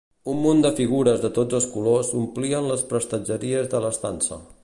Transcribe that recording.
Un munt de figures de tots els colors omplien les prestatgeries de l'estança.